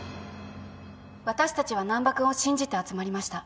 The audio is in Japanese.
私たちは難破君を信じて集まりました。